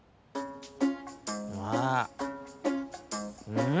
うん！